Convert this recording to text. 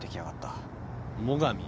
最上？